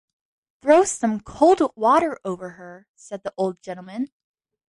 ‘Throw some cold water over her,’ said the old gentleman.